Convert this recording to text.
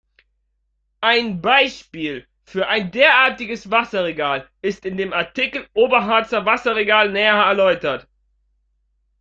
Ein Beispiel für ein derartiges Wasserregal ist in dem Artikel Oberharzer Wasserregal näher erläutert.